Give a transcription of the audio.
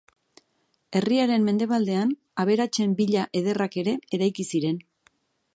Herriaren mendebaldean aberatsen villa ederrak ere eraiki ziren.